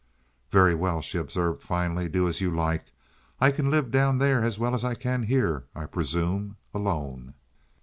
"Very well," she observed, finally. "Do as you like. I can live down there as well as I can here, I presume—alone."